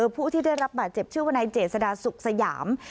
ผู้ที่ได้รับบาดเจ็บชื่อวนายเจษฎาสุขสยาม